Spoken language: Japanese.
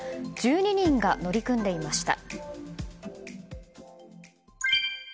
１２人が乗り組んでいました。